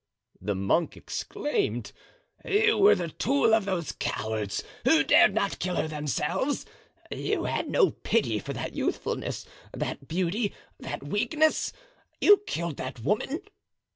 the monk exclaimed. "You were the tool of those cowards who dared not kill her themselves? You had no pity for that youthfulness, that beauty, that weakness? you killed that woman?"